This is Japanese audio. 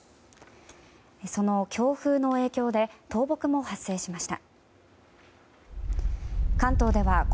その強風の影響で倒木も発生しました。